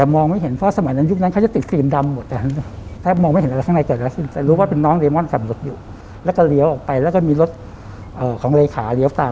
แล้วก็มีรถของเลขาเลี้ยวตามออกไปอีก๒ขัน